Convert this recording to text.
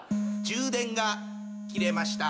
充電が切れました。